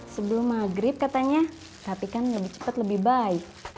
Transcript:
sebelum maghrib katanya tapi kan lebih cepat lebih baik